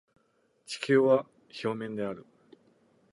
地球は平面である